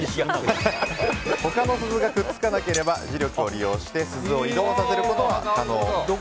他の鈴がくっつかなければ磁力を利用して鈴を移動させることは可能。